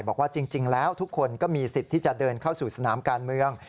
บอกว่าจริงแล้วทุกคนก็มีสิทธิ์ที่จะเดินเข้าสู่สนามการเมือง